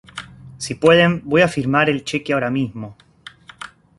Si pueden, voy a firmar el cheque ahora mismo"".